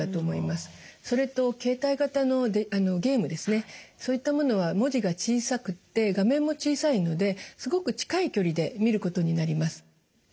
やっぱりそういったものは文字が小さくて画面も小さいのですごく近い距離で見ることになります。